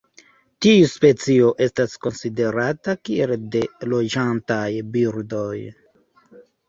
Tiu specio estas konsiderata kiel de loĝantaj birdoj.